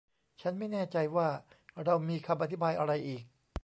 ฉันไม่แน่ใจว่าเรามีคำอธิบายอะไรอีก